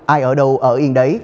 ai ở đâu ở yên đấy